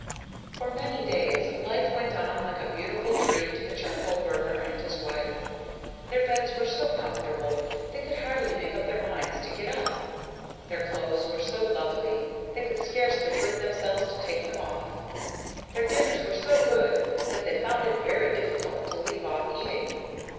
For many days life went on like a beautiful dream to the charcoal burner and his wife. Their beds were so comfortable, they could hardly make up their minds to get up, their clothes were so lovely they could scarcely bring themselves to take them off; their dinners were so good that they found it very difficult to leave off eating.